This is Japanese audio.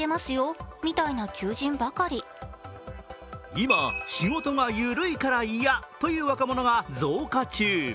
今、仕事がゆるいから嫌という若者が増加中。